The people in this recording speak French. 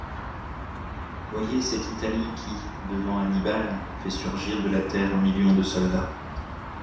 Voyez cette Italie qui, devant Hannibal, fait surgir de la terre un million de soldats.